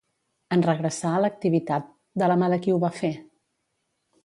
En regressar a l'activitat, de la mà de qui ho va fer?